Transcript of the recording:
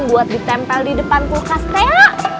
buat ditempel di depan kulkas kayak